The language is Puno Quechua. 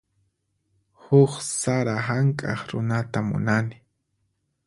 Huk sara hank'aq runata munani.